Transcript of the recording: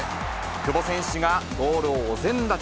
久保選手がゴールをお膳立て。